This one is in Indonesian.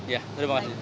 ya terima kasih